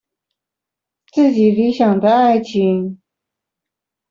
自己理想的愛情